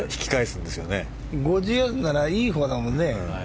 ５０ならいいほうだもんね。